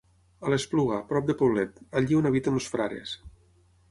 A l'Espluga, prop de Poblet, allí on habiten els frares.